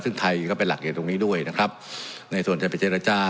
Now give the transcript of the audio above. ซึ่งไทยก็เป็นหลักอยู่ตรงนี้ด้วยนะครับในส่วนจะไปเจรจา